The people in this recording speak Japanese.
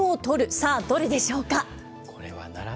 さあ、どれでしょうか。